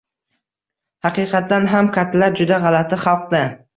«Haqiqatan ham, kattalar juda g‘alati xalq-da»